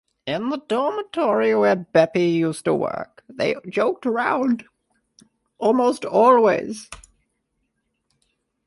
In the dormitory where Beppe used to work they joked around almost always.